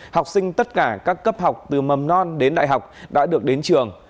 học sinh tất cả các cấp học từ mầm non đến đại học đã được đến trường